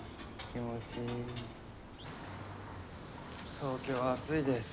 東京は暑いです。